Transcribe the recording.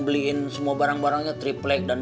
beliin semua barang barangnya triplek dan